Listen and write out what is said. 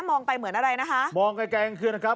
มองไปเหมือนอะไรนะคะมองแกล้งคือนะครับ